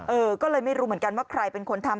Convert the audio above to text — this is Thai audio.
เออก็เลยไม่รู้เหมือนกันว่าใครเป็นคนทำ